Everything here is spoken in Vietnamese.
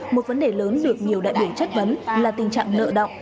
một vấn đề lớn được nhiều đại biểu chất vấn là tình trạng nợ động